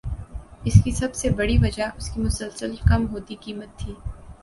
اس کی سب سے بڑی وجہ اس کی مسلسل کم ہوتی قیمت تھی